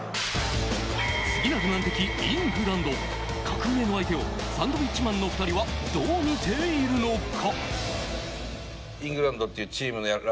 次なる難敵・イングランド、格上の相手をサンドウィッチマンの２人はどう見ているのか？